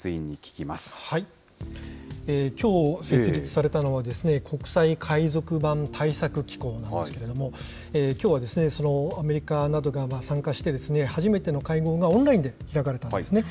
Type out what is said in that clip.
きょう設立されたのは、国際海賊版対策機構なんですけれども、きょうは、そのアメリカなどが参加して、初めての会合がオンラインで開かれたんですね。